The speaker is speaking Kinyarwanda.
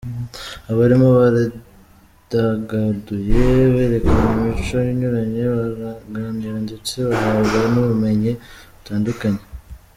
Abarimo baridagaduye, berekana imico inyuranye, baraganira ndetse bahabwa nubumenyi butandukanye.